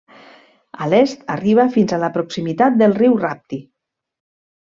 A l'est arriba fins a la proximitat del riu Rapti.